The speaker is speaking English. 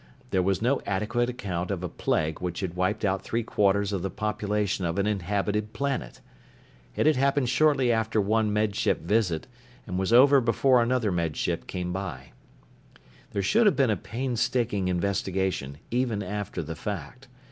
There was no adequate account of a plague which had wiped out three quarters of the population of an inhabited planet! It had happened shortly after one Med Ship visit, and was over before another Med Ship came by. There should have been a painstaking investigation, even after the fact.